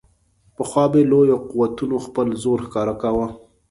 پخوا به لویو قوتونو خپل زور ښکاره کاوه.